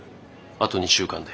あと２週間で。